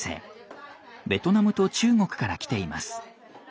ベトナムと中国から来ています。